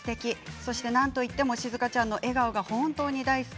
そしてなんといっても静河ちゃんの笑顔が本当に大好き。